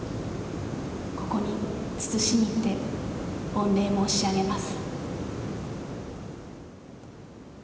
ここに慎みて御礼申し上げます。